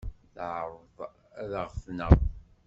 Teɛreḍ ad aɣ-tneɣ.